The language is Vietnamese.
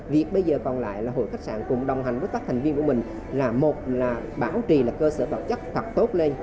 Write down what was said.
việc bây giờ còn lại là hội khách sạn cùng đồng hành với các thành viên của mình là một là bảo trì là cơ sở vật chất thật tốt lên